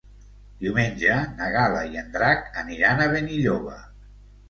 Diumenge na Gal·la i en Drac aniran a Benilloba.